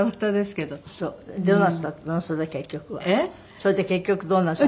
それで結局どうなすった。